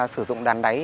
sử dụng đàn đáy